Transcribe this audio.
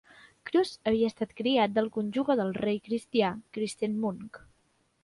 Kruse havia estat criat del cònjuge del rei cristià, Kirsten Munk.